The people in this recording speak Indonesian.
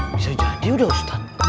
bisa jadi udah ustadz